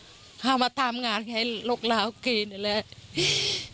มีเขามาทำงานจะให้ลูกเรากินอะไร